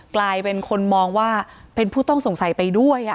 กลายเป็นคนมองว่าเป็นผู้ต้องสงสัยไปด้วย